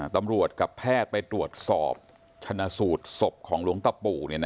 กับแพทย์ไปตรวจสอบชนะสูตรศพของหลวงตะปู